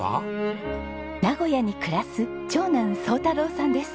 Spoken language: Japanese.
名古屋に暮らす長男壮太郎さんです。